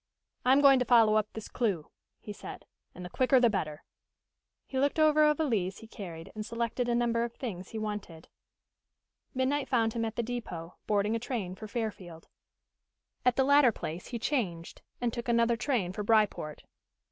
"I am going to follow up this clew," he said. "And the quicker the better." He looked over a valise he carried and selected a number of things he wanted. Midnight found him at the depot, boarding a train for Fairfield. At the latter place he changed and took another train for Bryport.